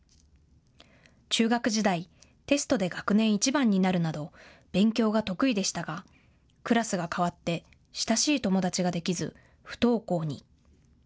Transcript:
中学時代、テストで学年１番になるなど勉強が得意でしたがクラスが替わって親しい友達ができず不登校に。